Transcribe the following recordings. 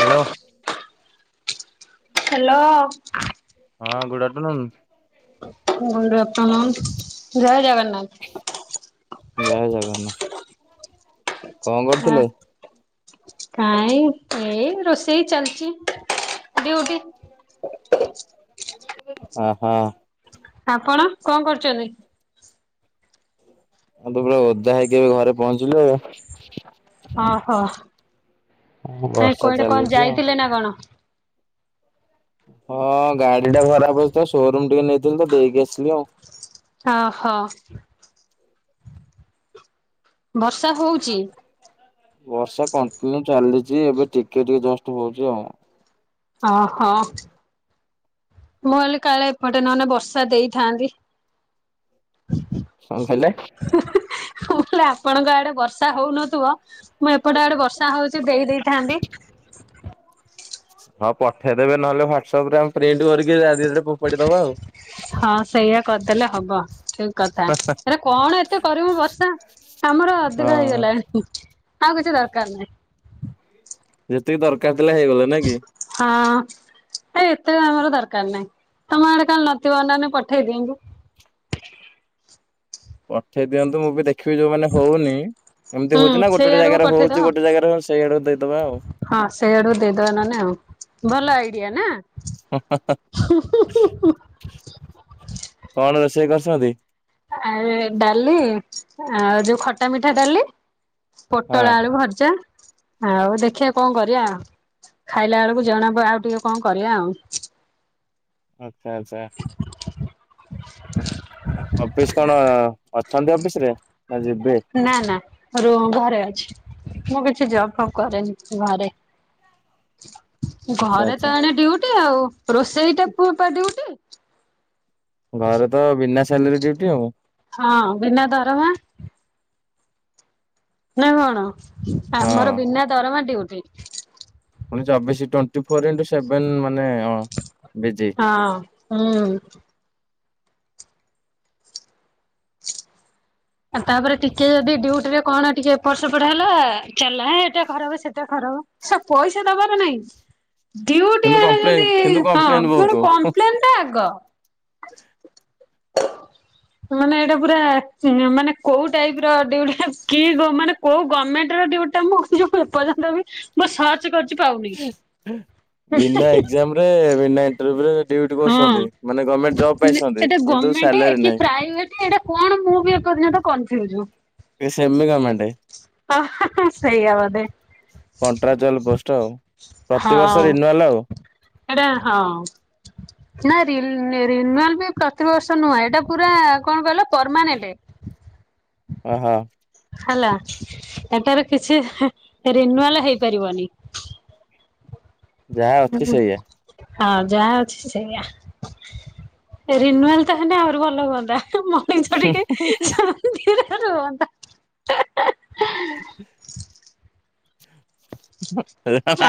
Hello. Hello. ହଁ good afternoon. Good afternoon ଜୟ ଜଗନ୍ନାଥ। ଜୟ ଜଗନ୍ନାଥ। କଣ ହଁ। କରୁଥିଲେ? କାଇଁ ଏଇ ରୋଷେଇ ଚାଲିଛି ଡିଉଟି। [inaudible] ଅହ। ଆପଣ କଣ କରୁଚନ୍ତି? ସବୁବେଳେ ଓଦା ହେଇକି ଏବେ ଘରେ ପହଞ୍ଚିଲୁ। ଅହୋ କାଇଁ ବର୍ଷା କହିଲେ କଣ ଚାଲିଛି ଆଉ। ଯାଇଥିଲେନା କଣ? ହଁ ଗାଡିଟା ଖରାପ ଅଛିତ ସୋରୁମ ଟିକେ ନେଇଥିଲିତ ଦେଇକି ଆସିଲି ଆଉ। ହ ହୋ [inaudible] ବର୍ସ ବର୍ଷା କଣ୍ଟିନ୍ୟୁ ଚାଲିଛି ଏବେ ଟିକିଏ ଟିକିଏ ଜଷ୍ଟ ହଉଛି ଆଉ। ଅହ। ମୁଁ ଭାବିଲି କାଳେ ଏପଟେ ନହେନେ ବର୍ଷା ଦେଇଥାନ୍ତି। କଣ କହିଲେ? ମୁଁ କହିଲି ଆପଣଙ୍କ ଆଡେ ବର୍ଷା ହଉନଥିବ ମୁଁ ଏପଟେ ଆଡେ ବର୍ଷା ହଉଛି ଦେଇ ଦେଇେଇଥାନ୍ତି। ହଁ ପଠେଇଦେବେ ନହେଲେ ହ୍ୱଟସପରେ ଆମେ ପ୍ରିଣ୍ଟି କରିକି [unintelligible] ଦବା ଆଉ। ହଁ ସେଇଆ କରିଦେଲେ ହବ ଠିକ। କଥା ହେରା କଣ ଏତେ କରିବୁ ବର୍ଷା ଆମର ଅଧିକ ହଁ ହେଇଗଲାଣି? ଆଉ କିଛି ଦରକାର ନାହିଁ। ଯେତିକି ଦରକାର ଥିଲା ହେଇଗଲା ନାକି। ହଁ। ହେଇ ଏତେ ଆମର ଦରକାର ନାହିଁ ତମ ଆଡେ କାଳେ ନଥିବ ନହେନ ପଠେଇ ଦିଅନ୍ତୁ। ପଠେଇ ଦିଅନ୍ତୁ ମୁଁବି ଦେଖିବି ଯୋଉମାନେ ହଉନି ଏମିତି ହୁଁ ହଉଛିନା ଗୋଟେ ସେଇ ଗୋଟେ ଆଡକୁ ଜାଗାରେ ପଠେଇଦବ। ହଉଛି ଗୋଟେ ଜାଗାରେ ହର୍ସ ସେଇଆଡକୁ ଦେଇଦବା ଆଉ। ହଁ ସେଇଆକୁ ଦେଇଦବା ନହେନେ ଆଉ ଭଲ ଆଇଡିଆ ନାଁ। ଉୁଁ ହାଁ ହାଁ କଣ ରୋଷେଇ କରିଛନ୍ତି। ଆଏ ଡାଲି ଆଉ ଯୋଉ ଖଟା ମିଠା ଡାଲି। ହଁ ପୋଟଳ ଆଳୁ ଭଜା। ଆଉ ଦେଖିବା କଣ କରିବା ଖାଇଲା ବେଳକୁ ଜଣାବ ଆଉ ଟିକେ କଣ କରିବା ଆଉ। ଆଚ୍ଛା ଆଚ୍ଛା। ଅଫିସ କଣ ଅଛନ୍ତି ଅଫିସ ରେ ନା ଯିବେ। ନା ନା ର ଘରେ ଅଛି। ମୁଁ କିଛି ଜବ୍ ଫବ୍ କରେନି ଘରେ। ଆଚ୍ଛା ଘରେ ଆଚ୍ଛା ତ ଆଣେ ଡଉଟି ଆଉ ରୋଷେଇ ଟା ମୋର ପା ଡିଉଟି। ଘରେ ତ ବିନା ସାଲିରରେ ଡିଉଟି ଆଉ। ହଁ ବିନା ଦରମା। ନା କଣ ଆମର ହଁ। ବିନା ଦରମା ଡ଼ିଉଟି। ପୁଣି ଚବିଶ ଟ୍ବେଣ୍ଟି ଫୋର୍ ଇଣ୍ଟି ସେଭେନ ମାନେ ଅନ୍ ବିସୀ। ହଁ ହୁଁ। [inaudible] ଆଉ ତାପରେ ଟିକେ ଯଦି ଡିଉଟିରେ କଣ ଟିକେ ଏପଟ ସେପଟ ହେଲା ଚାଲିଲା ହେ ଏଟା ଖରାପ ସେଟା ଖରାପ। ସେ ପଇସା ଦବାର ନାଇଁ। ଡ୍ୟୁଟି କିନ୍ତୁ ଆଡେ କପ୍ଲେ ଯଦି କିନ୍ତୁ ହଁ କମ୍ପ୍ଲେନ କଣ ବହୁତ ହୁଁ। କମ୍ପ୍ଲେନ ଟା ଆଗ। ମାନେ ଏଇଟା ପୁରା ମାନେ କୋଉ ଟାଇପର ଡିଉଟି କି ମାନେ କୋଉ ଗଭର୍ଣ୍ଣମେଣ୍ଟର ଡିଉଟି ଟା ମୁଁ ଯଉ ଏପର୍ଯ୍ଯନ୍ତବି ମୁଁ ସର୍ଚ୍ଚ କରୁଚି ପାଉନି। ଏବେ ବିନା ଇଣ୍ଟର୍ଭ୍ୟୁ ରେ ଡିଉଟି ହଁ। କରୁଛନ୍ତି ମାନେ ଗଣ୍ଣମେଣ୍ଟ ଜବ ପାଇଛନ୍ତି ଏଟା କିନ୍ତୁ ଗଭର୍ଣ୍ଣମେଣ୍ଟ ସାଲାରୀ କି ନାହିଁ। ପ୍ରାଇଭେଟ ଏଇଟା କଣ ମୁଁ ବି ଏପର୍ଯ୍ଯନ୍ତ କନଫୁଜ। ଇଏ ସେମି ଗମେଣ୍ଡ। ହ ସେଇଆ ବୋଧେ। କଣ୍ଟ୍ରାକ୍ଚୁଆଲ ପୋଷ୍ଟ ଆଉ ପ୍ରତିବର୍ଷ ରିନୁଆଲ ଆଉ। ଏଇଟା ହଁ। ନା ରିନୁଆଲ ବି ପ୍ରତିବର୍ଷ ନୁହଁ ଏଇଟା ପୁରା କଣ କହିଲ ପରମାନେଣ୍ଟେ। ଓହୋ। ହେଲା ଏଟାର କିଛି ରିନୁଆଲ ହେଇପାରିବନି। ଯାହା ଅଛି ହ ସେଇଆ। ହଁ ଯାହା ଅଛି ସେଇଆ। ରିନୁଆଲ ଟା ହେଲେ ଆହୁରି ଭଲ ହୁଅନ୍ତା ମଣିଛ ଟିକେ ଶାନ୍ତିରେ ରୁହନ୍ତା। [inaudible]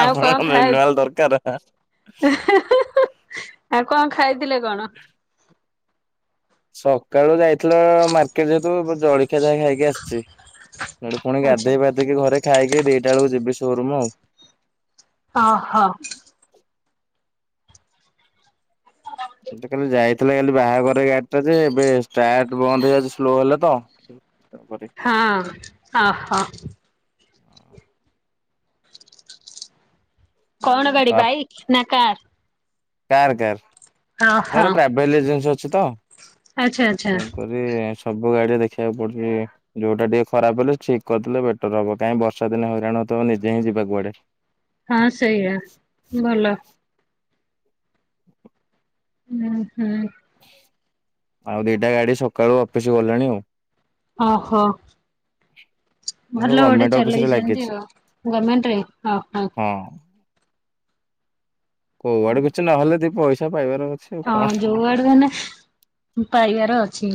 ଆଉ କଣ ଖାଇ ରିନୁଆଲ୍ ଦରକାର। ଆଉ କଣ ଖାଇଥିଲେ କଣ? [inaudible] ସକାଳୁ ଯାଇଥିଲ ମାର୍କେଟ ଯେହେତୁ ଜ ଜଳଖିଆ ଯା ଖାଇକି ଆସିଛି ସେଠି ପୁଣି ଆଚ୍ଛା ଗାଧୋଇ ପାଧେଇକି ଘରେ ଖାଇକି ଦିଟା ବେଳକୁ ଯିବି ସୋରୁମ ଆଉ। ଓହୋ। [inaudible] ସେଟା କାଲି ଯାଇଥିଲା କାଲି ବାହାଘର ଗାଡି ଟା ଯେ ଏବେ ଷ୍ଟାଟ ବନ୍ଦ ହେଇଯାଉଛି ସ୍ଲୋ ହେଲା ତ। ହଁ ଓହୋ। ହଁ। କଣ ଗଡି ବାଇକ ନା କାର। କାର୍ କାର୍ ଓହୋ ମୋର ଟ୍ରାଭେଲ ଏଜେନ୍ସି ଅଛିତ। ଆଚ୍ଛା ଆଚ୍ଛା ଏବେ ସବୁ ଗାଡିରେ ଦେଖିବାକୁ ପଡୁଛି। ଯୋଉଟା ଟିକେ ଖରାପ ହେଲେ ଠିକ କରିଦଲେ ବେଟର ହବ କାଇହିଁ ବର୍ଷା ଦିନ ହଇରାଣ ହଉଥିବ ନିଜେ ହିଁ ଯିବାକୁୁଡେ। ହଁ ସେଇଆା ଭଲ। ହୁଁ ହୁଁ। ଆଉ ଦିଟା ଗାଡି ସକାଳୁ ଅଫିସ ଗଲେଣି ଆଉ। ଓହୋ। ମୁଁ ଭଲ ଗୋଟେ ଗଭର୍ଣ୍ଣମେଣ୍ଟ ଅଫିସ ରେ ଲାଗିଛି। ଚଲେଇଛନ୍ତି ଗର୍ମେଣ୍ଟରେ ଓହୋ। ହଁ କୋଉଆଡେ କିଛି ନହେଲେ ଦି ପଇସା ପାଇବାର ଅଛି। ଆଉ କଣ ହଁ ଯୋଉ ଆଡେ ହେନେ ପାଇବାର ଅଛି।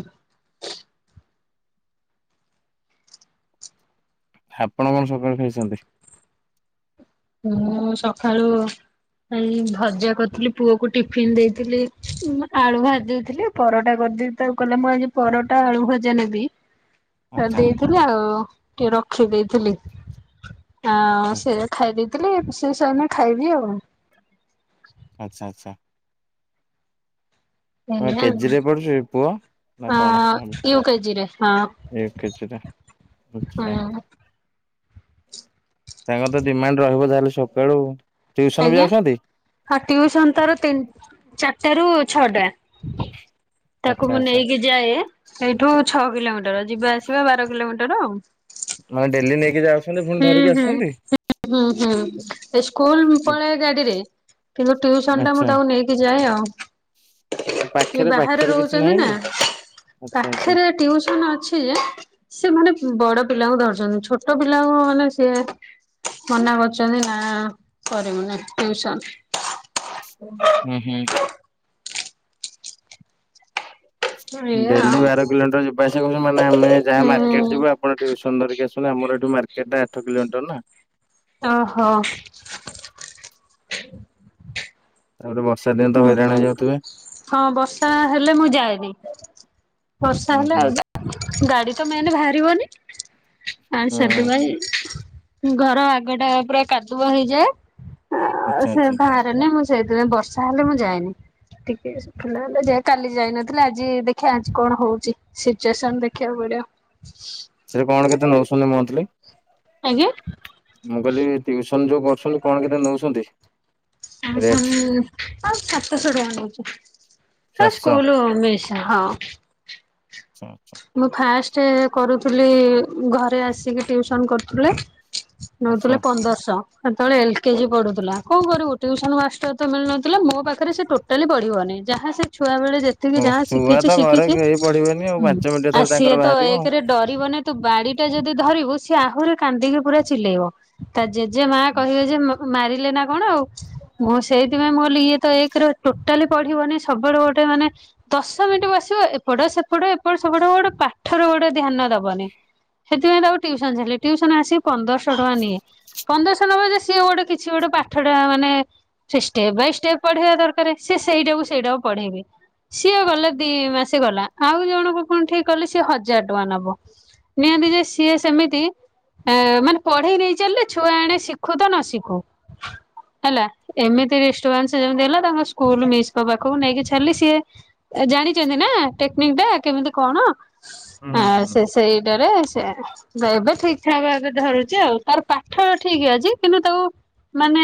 ଆପଣ କଣ ସକାଳୁ ଖାଇଛନ୍ତି? ମୁଁ ସକାଳୁ ଏାଇ ଭଜା କରିଥିଲି ପୁଅକୁ ଟିଫିିନ ଦେଇଥିଲି ଆଳୁ ଭାଜି ଦେଇଥିଲି। ପରଟା କରିଦେବି ତାକୁ କଲେ ମୁଁ ଆଜି ପରଟା ଆଳୁ ଭଜା ନେବି। । ଦେଇଥିଲି ଆଉ ଟିକେ ରଖି ଦେଇଥିଲି ଆଉ ହୁଁ ସେ। ଖାଇ ଦେଇଥିଲି [unintelligible] ଖାଇବି ଆଉ। ଆଚ୍ଛା ଆଚ୍ଛା। ହଁ କେଜ୍ଜିରେ ପଡୁଛି ପୁଅ? ନା ହ କଣ ନା ୟୁ କେଜିରେ ହଁ। ଏ କେଜିରେ ଆଚ୍ଛା। ହଁ [unintelligible] ତ ଡିମାଣ୍ଡ ରହିବ ଯାହାେଲେ ସକାଳୁ ଟିଉସନ ବି ଆଜ୍ଞା ଯାଉଛନ୍ତି। ହଁ ଟିଉସନ ତାର ତିନି ଚାରିଟା ରୁ ଛଅଟା ଆଚ୍ଛା ତାକୁ ମୁଁ ଆଚ୍ଛା। ନେଇକି ଯାଏ ସେଇଠୁ ଛଅ କିଲୋମିଟର ଯିବା ଆସିବା ବାର କିଲୋମିଟର ଆଉ। ମାନେ ଡେଲି ନେଇକି [unintelligible] ହୁଁ ଧରିକି ହୁଁ ଆସୁଛନ୍ତି? ହୁଁ ହୁଁ ସ୍କୁଲ ପଳେଏ ଗାଡିରେ। କିନ୍ତୁ ଟ୍ୟଉସନ ଟା ମୁଁ ଆଚ୍ଛା। ତାକୁ ନେଇକି ଯାଏ ଆଉ। ଇଏ ପାଖରେ ବାହାରେ ପାଖରେ କିଛି ରହୁଛନ୍ତି ନାହିଁ ନା କି? ଆଚ୍ଛା ଆଚ୍ଛା ପାଖରେ ଟିଉସନ ଅଛି ଯେ ସେ ମାନେ ବଡ ପିଲାଙ୍କୁ ଧରିଛନ୍ତି ଛୋଟ ପିଲାଙ୍କୁ ମାନେ ସିଏ ମନା କରୁଛନ୍ତି ନା [unintelligible] ଟୁଉସନ। ହୁଁ ହୁଁ। ଏଇଆ ଡେଲି ଆଉ ବାର କିଲୋମିଟର ଯିବା ଆସିବା [unintelligible] ମାନେ ଆମେ ଯାହା ମାର୍କେଟ ହୁଁ ଯିବୁ। [unintelligible] ଆମର ଏଠୁ ମାର୍କେଟା ଆଠ କିଲୋମିଟର ନା। ଓହୋ। ତାପରେ ବର୍ଷା ଦିନ ତ ହୁଁ ହୁଁ ହଇରାଣହୋଇଯାଉଥିବେ? ହଁ ବର୍ଷା ହେଲେ ମୁଁ ଯାଏନି ବର୍ଷା ହୁଁ ହେଲେ। ହୁଁ। ଗାଡି ତ ମେନେ ବାହାରିବନି ଆ ହୁଁ ସେଥିପାଇଁ ଘର ଆଗଟା ପୁରା କାଦୁଅ ହେଇଯାଏ ଆଚ୍ଛା ସେ ଆଚ୍ଛା ବା [unintelligible] ମୁଁ ସେଇଥିପାଇଁ ବର୍ଷା ହେଲେ ମୁଁ ଯାଏନି। [unintelligible] କାଲି ଯାଇନଥିଲେ ଆଜି ଦେଖିବା ଆଜି କଣ ହଉଛି। ସିଚୁଏସନ ଦେଖିବାକୁ ପଡିବ। [unintelligible] କଣ କେତେ ନଉଛନ୍ତି ମନ୍ଥଲି? ଆଜ୍ଞା। ମୁଁ କହିଲି ଟିୁସନ ଯୋଉ କରୁଛନ୍ତି କଣ କେତେ ନଉଛନ୍ତି? ରେଟ୍? ଚାରିଶହ ଆଚ୍ଛା [unintelligible] ହଁ। ଆଚ୍ଛା ଆଚ୍ଛା। ମୁଁ ଫାଷ୍ଟ କରୁଥିଲି ଘରେ ଆସିକି ଟ୍ୟୁସନ କରୁଥିଲେ। ଆଚ୍ଛା ନଉଥିଲେ ପନ୍ଦରଶହ ସେତେବେଳେ ଏଲ କେଜି ପଢୁଥିଲା କୋଉ କରିବୁୁ ଟ୍ୟୁସନ ମାଷ୍ଟର ତ ମିଳୁନଥିଲା। ଥିଲା ମୋ ପାଖରେ ସେ ଟୋଟାଲି ପଢିବନି ଯାହା ସେ ଛୁଆ ବଳେ ଯେ ଓ ଛୁଆ ତ ଘରେ କେହି ପଢିବେନି ଆଉ ପାଞ୍ଚ ମିନିଟ ଆଉ ଥରେ ସିଏ ତାଙ୍କର ତ ବାହାରିବ ଆଉ ଏକରେ ଡରିବନି ତୁ ବାଡି ଟା ଯଦି ଧରିବୁ ସିଏ ଆହୁରି କାନ୍ଦିକି ପୁରା ଚିଲେଇବ। ତା ଜେଜେ ମା ହୁଁ କହିବେ ଯେ ମାରିଲେ ନା କଣ ଆଉ? ମୁଁ ସେଇଥିପାଇଁ ମୁଁ କହିଲି ଇଏ ତ ଏକରେ ଟୋଟାଲି ପଢିବନି ସବୁବେଳେ ଗୋଟେ ମାନେ ଦଶ ମିନିଟ ବସିବ ଏପଟ ସେପଟ ଏପଟ ସେପଟ ଗୋଟେ ପାଠର ଗୋଟେ ଧ୍ୟାନ ଦବନି। ସେଥିପାଇଁ ତା ଆ ଟ୍ୟୁସନ ଛାଡ଼ିଲି ଟ୍ୟୁସନ ଆସି ପନ୍ଦରଶହ ଟଙ୍କା ନିଏ ପନ୍ଦରଶହ ନବ ଯେ ସିଏ ଗୋଟେ କିଛି ଗୋଟେ ପାଠଟା ମାନେ ସେ ଷ୍ଟେପ୍ ବାଇ ଷ୍ଟେପ୍ ପଢେଇବା ଦରକାର ସେ ସେଇଟାକୁ ସେଇଟାକୁ ପଢେଇବେ। ସିଏ ଗଲେ ଦି ମାସେ ଗଲା ଆଉ ଜଣକୁ କଣ ଠିକ କଲେ ସିଏ ହଜାର ଟଙ୍କା ନବ। ନିଅନ୍ତି ଯେ ସିଏ ସେମିତି ଆ ମାନେ ପଢେଇ ନେଇ ଚାଲିଲେ ଛୁଆ ଆଣେ ଶିଖୁ ତ ନ ଶିଖୁ। ହେଲା ଏମିତି ଯେମିତି ହେଲା ତାଙ୍କ ସ୍କୁଲ ମିଶଙ୍କ ପାଖକୁ ନେଇକି ଛାଡିଲି ସିଏ ଜାଣିଛନ୍ତି ନା ଟେକ୍ନିକ ଟା କେମିତି କଣ ଆ ହୁଁ ହୁଁ। ସେ ସେଇଟାରେ ସେ ଏବେ ଠିକ ଠାକ ଭାବେ ଧରୁଛି ଆଉ ତାର ପାଠ ଠିକ ଅଛି କିନ୍ତୁ ତାକୁ ମାନେ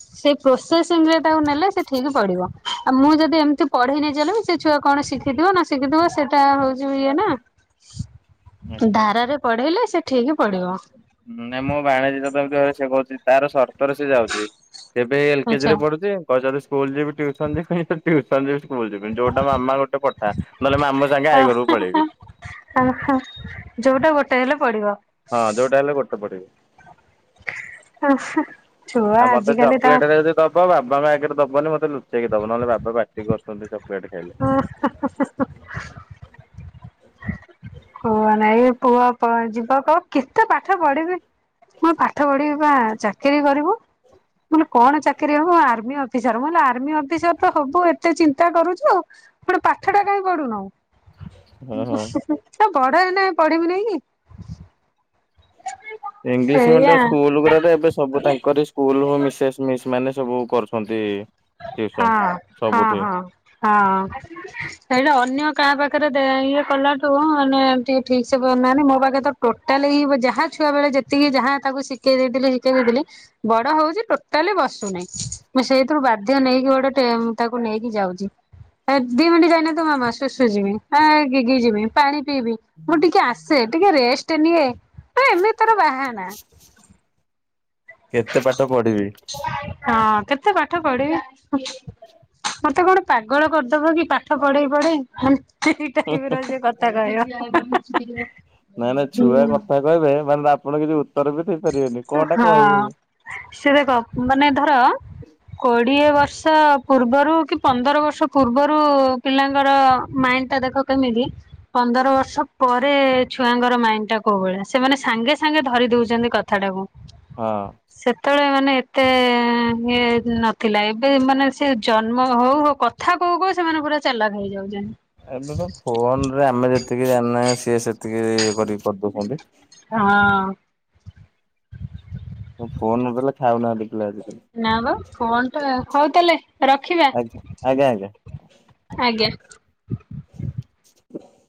ସେ ପ୍ରୋସେସିଂ ରେ ତାକୁ ନେଲେ ସେ ଠିକ ପଢିବ ଆଉ ମୁଁ ଯଦି ଏମିତି ପଢେଇ ନେଇ ସେ ଛୁଆ କଣ ଶିଖିଥିବ ନ ଶିଖିିଥିବ ସେଇଟା ଟା ହଉଛି ଇଏ ନା ଆଚ୍ଛା ଆଚ୍ଛା ଧାରାରେ ପଢେଇଲେ ସେ ଠିକ ପଢିବ। ହୁଁ ନାଇଁ ବାଣିଜୀ ଯତେତିରେ ସେ କହୁଛି ତାର ସର ରେ ସିଏ ଯାଉଛି ଏବେ ଏଲ କେଜି ଆଛା ରେ ପଢୁଛି କହିି ସ୍କୁଲ ଯିବି ଟୁସନ ଯିବି। ଟ୍ୟୁସନ ଯିବି ସ୍କୁଲ ଯିବିନି ଯୋଉଟା ମାମା ଗୋଟେ ପଠା ନହେଲେ ମାମ ସାଙ୍ଗେ ଆଈ ଘରକୁ ପଳେଇବି। ଅହ ଯୋଉଟା ଗୋଟେ ହେଲେ ପଢ଼ିବ? ହଁ ଯୋଉଟା ହେଲେ ଗୋଟେ ପଢିବ? ହ ଛୁଆ ଆଉ ମତେ ଆଜିକାଲି ତ ଚକୋଲେଟ୍ ରେ ଯଦି ଦବ ବାବାଙ୍କ ଆଗରେ ଦବନି ମତେ ଲୁଚେଇକି ଦବ ନହେଲେ ବାବା ପାଟି କରୁଛନ୍ତି ଚକୋଲେଟ୍ ଖାଇଲେ। ହ କୁହ ନାଇଁ ପୁଅ ଯିବ କ କେତେ ପାଠ ପଢିବି? ମୁ ପାଠ ପଢିବି ବା ଚାକିରି କରିବୁ। ମୁଁ କହିଲି କଣ ଚାକିରୀ ହବ ଆର୍ମି ଅଫିସର ଆର୍ମି ଅଫିସର ତ ହବୁ ଏତେ ଚିନ୍ତା କରୁଛୁ? ପୁଣି ପାଠ ଟା କାହି ପଢୁନୁ? ହଁ ହଁ। ନା ବଡ଼ ହେଲେ ପଢିବି ନାଇଁ। ଇଂଲିଶ ମିଡିୟମ ସେଇଆ। ସ୍କୁଲ ଗୁଡାରେ ଏବେ ସବୁ ତାଙ୍କରି ସ୍କୁଲ ହ ମିସେସ୍ ମିସ୍ ମାନେ ସବୁ କରୁଛନ୍ତି। ଟିଉସନ ହଁ ହଁ ସବୁଠି ହଁ ହଁ। ସେଇଟା ଅନ୍ୟ କାହା ପାଖରେ ଇଏ କଲାଠୁ ମାନେ ଟିକେ ଠିକ ସେ ନେ ମୋ ପାଖରେ ତ ଟୋଟାଆଇ ଯାହା ଛୁଆ ବେଳେ ଯେତିକି ଯାହା ତାକୁ ଶିଖେଇ ଦେଇଥିଲି ଶିଖେଇ ଦେଇଥିଲି। ବଡ ହଉଚି ଟୋଟାଲି ବସୁନାହିଁ ମୁ ସେଇ ତ ବାଧ୍ୟ ନେଇକି ଗୋଟେ ତାକୁ ନେଇକି ଯାଉଚି। ଦି ମିନିଟ୍ ଯାଇନଥିବ ମାମା ଶୁଶୁ ଯିବି ଅ ଗିଗି ଯିବି ପାଣି ପିଇବି ମୁଁ ଟିକେ ଆସେ ଟିକେ ରେଷ୍ଟେ ନିଏ ଏ ଏମିତି ତାର ବାହାନା। କେତେ ପାଠ ପଢିବି। ହଁ କେତେ ପାଠ ପଢିବି। ମତେ କଣ ପାଗଳ କରିଦବ କି ପାଠ ପଢେଇ ପଢେଇ। ସେ ଦିଟା ଟିଭିର ସେ କଥା କହିବ ହା ନାଇଁ ନାଇଁ ହା। ଛୁଆ କଥା କହିବେ ମାନେ ଆପଣ କିଛି ଉତ୍ତର ବି ଦେଇପାରିବେନି। କଣ ଟା କହିବି ହଁ ମୁଁ। ସେ ଦେଖ ମାନେ ଧର କୋଡ଼ିଏ ବର୍ଷ ପୂର୍ବରୁ କି ପନ୍ଦର ବର୍ଷ ପୂର୍ବରୁ ପିଲାଙ୍କର ମାଇଣ୍ତିଟା ଦେଖ କେମିତି। ପନ୍ଦର ବର୍ଷ ପରେ ଛୁଆଙ୍କର ମାଇଣ୍ଡି ଟା କୋଉ ଭଳିଆ ସେମାନେ ସାଙ୍ଗେ ସାଙ୍ଗେ ଧରି ଦଉଚନ୍ତି। କଥାଟାକୁ। ହଁ। ସେତେବେଳେ ମାନେ ଏତେ ଇଏ ନଥିଲା ଏବେ ମାନେ ସେ ଜନ୍ମ ହଉ ହଉ କ କଥା କୋଉ କୋଉ ସେମାନେ ପୁରା ଚାଲାକ୍ ହେଇଯାଉଛନ୍ତି। ଏବେ ତ ଫୋନ୍ ରେ ଆମେ ଯେତିକି ଜାଣିନାହାନ୍ତି ସିଏ ସେତିକି କରିପକୁଅନ୍ତି। ହଁ। ଆଉ ଫୋନ୍ ନଦେଲେ ଖାଉନାହାନ୍ତି ପିଲା ଆଜିିକାଲି। ନାପା ଫୋନ୍ ଟା ହୋଉତାହାଲେ ରଖିବା? ଆଜ୍ଞା ଆଜ୍ଞା ଆଜ୍ଞା। ଆଜ୍ଞା।